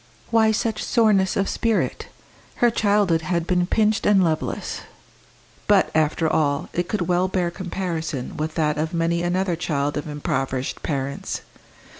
Why such soreness of spirit? Her childhood had been pinched and loveless; but, after all, it could well bear comparison with that of many another child of impoverished parents.